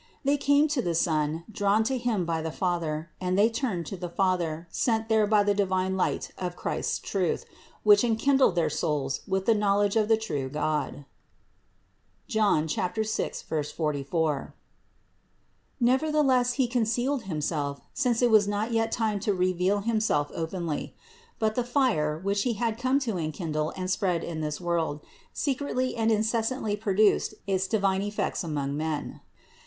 They came to the Son, drawn to Him by the Father, and they turned to the Father, sent there 604 CITY OF GOD by the divine light of Christ's truth, which enkindled their souls with the knowledge of the true God (John 6, 44). Nevertheless He concealed Himself, since it was not yet time to reveal Himself openly. But the fire, which He had come to enkindle and spread in this world, secretly and incessantly produced its divine effects among men.